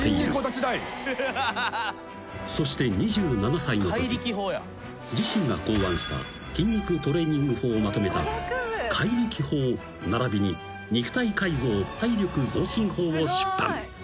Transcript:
［そして２７歳のとき自身が考案した筋肉トレーニング法をまとめた『怪力法並に肉体改造体力増進法』を出版］